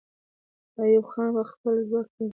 ایوب خان به خپل ځواک تنظیم کاوه.